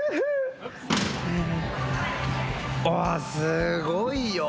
すごいよ。